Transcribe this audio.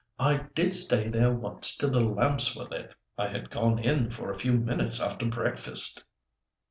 I did stay there once till the lamps were lit. I had gone in for a few minutes after breakfast."